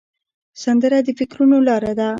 سندره د فکرونو لاره ده